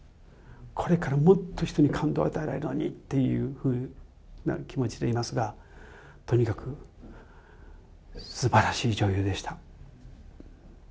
これからもっと人に感動を与えられるのにっていうふうな気持ちでいますが、とにかくすばらしい女優でした。